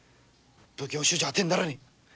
奉行所じゃ当てにならねえ